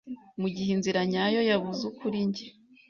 Mugihe inzira nyayo yabuze kuri njye